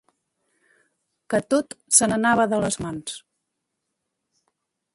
Que tot se n’anava de les mans.